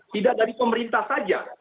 tidak dari pemerintah saja